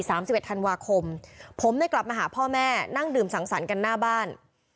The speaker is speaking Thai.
สิบเอ็ดธันวาคมผมได้กลับมาหาพ่อแม่นั่งดื่มสังสรรค์กันหน้าบ้าน